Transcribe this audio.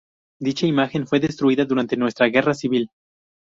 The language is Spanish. Dicha imagen fue destruida durante nuestra guerra civil.